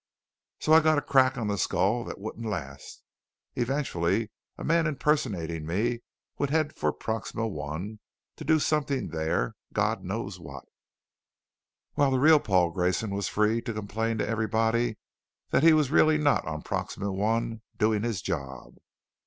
"So I got a crack on the skull that wouldn't last. Eventually a man impersonating me would head for Proxima I to do something there God knows what while the real Paul Grayson was free to complain to everybody that he was really not on Proxima I doing his job?"